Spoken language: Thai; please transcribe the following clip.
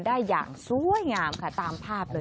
ได้อย่างสวยงามค่ะตามภาพเลย